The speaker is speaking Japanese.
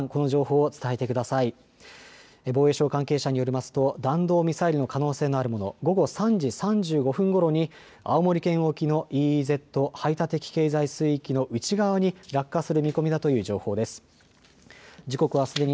防衛省関係者によりますと弾道ミサイルの可能性のあるもの午後３時３５分ごろに青森県沖のＥＥＺ・排他的経済水域の内側に落下する見込みだという情報です。